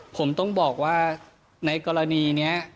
ผมต้องบอกว่าในกรณีนี้